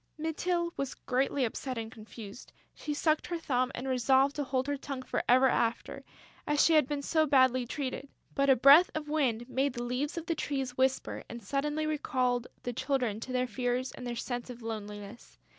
Mytyl was greatly upset and confused. She sucked her thumb and resolved to hold her tongue for ever after, as she had been so badly treated! But a breath of wind made the leaves of the trees whisper and suddenly recalled the Children to their fears and their sense of loneliness.